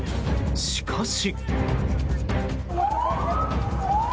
しかし。